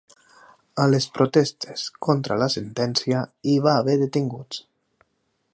A les protestes contra la sentència hi va haver detinguts